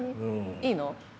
いいの？